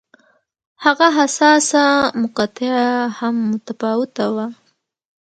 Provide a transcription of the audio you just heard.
هغه حساسه مقطعه هم متفاوته وه.